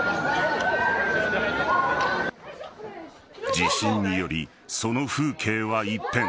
地震により、その風景は一変。